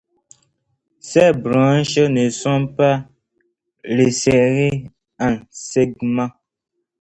Ses branches ne sont pas resserrées en segments.